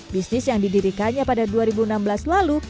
bisnis yang didirikannya pada dua ribu enam belas lalu